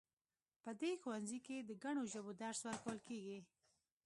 په دې ښوونځي کې د ګڼو ژبو درس ورکول کیږي